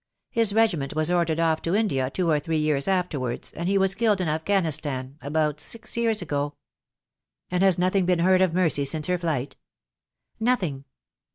His regiment was ordered off to India two or three years afterwards, and he was killed in Afghanistan about six years ago." "And has nothing been heard of Mercy since her flight?" "Nothing."